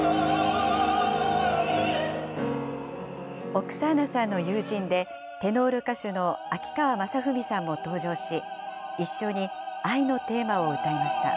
オクサーナさんの友人で、テノール歌手の秋川雅史さんも登場し、一緒に愛のテーマを歌いました。